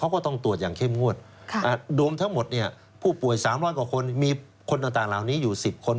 เขาก็ต้องตรวจอย่างเข้มงวดรวมทั้งหมดเนี่ยผู้ป่วย๓๐๐กว่าคนมีคนต่างเหล่านี้อยู่๑๐คน